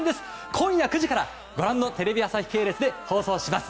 今夜９時からテレビ朝日系列で放送します。